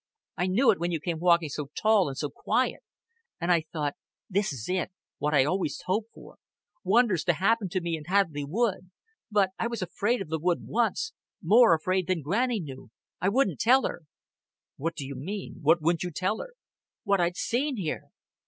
I knew it when you came walking so tall and so quiet; an' I thought 'This is it what I always hoped for wonders to happen to me in Hadleigh Wood.' But I was afraid of the wood once more afraid than Granny knew. I wouldn't tell her." "What d'you mean? What wouldn't you tell her?" "What I'd seen here."